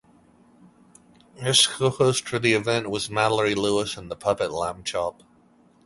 His co-host for the event was Mallory Lewis and the puppet Lamb Chop.